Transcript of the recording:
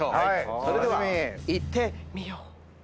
それではいってみよう。